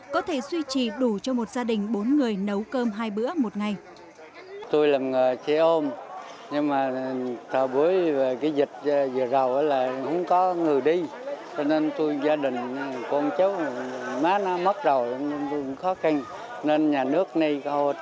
có thể suy trì đủ cho một gia đình bốn người nấu cơm hai bữa một ngày